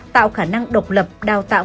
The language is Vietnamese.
tạo khả năng độc lập đào tạo